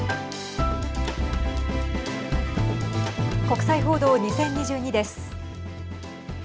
国際報道２０２２です。